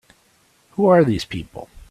Who are these people?